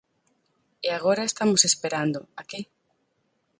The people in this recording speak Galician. E agora estamos esperando ¿a que?